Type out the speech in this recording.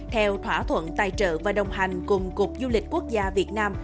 theo thỏa thuận tài trợ và đồng hành cùng cục du lịch quốc gia việt nam